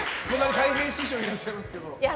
たい平師匠いらっしゃいますけど。